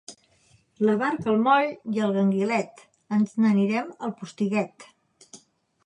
La barca al moll i el ganguilet, ens n'anirem al Postiguet.